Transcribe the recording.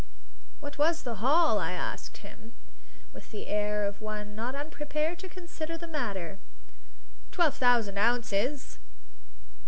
"What was the haul?" I asked him, with the air of one not unprepared to consider the matter. "Twelve thousand ounces!"